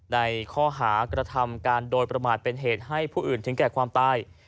ในข้อหากระทำการโดยประมาทเป็นเหตุให้ผู้อื่นถึงแก่ความตาย